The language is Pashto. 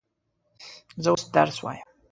زه اوس درس وایم.